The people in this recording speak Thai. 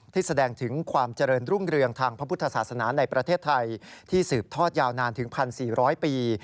แสดงถึงความเจริญรุ่งเรืองทางพระพุทธศาสนาในประเทศไทยที่สืบทอดยาวนานถึง๑๔๐๐ปี